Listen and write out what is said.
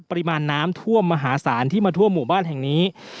ปริมาณน้ำท่วมมหาศาลที่มาทั่วหมู่บ้านแห่งนี้